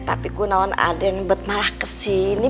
tapi aku tahu ada yang bertarung ke sini